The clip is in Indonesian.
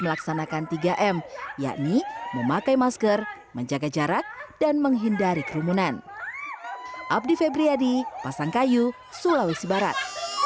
melaksanakan tiga m yakni memakai masker menjaga jarak dan menghindari kerumunan abdi febriyadi pasangkayu sulawesi barat